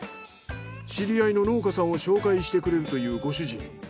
知り合いの農家さんを紹介してくれるというご主人。